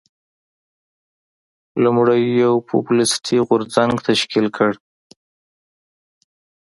لومړی یو پوپلیستي غورځنګ تشکیل کړ.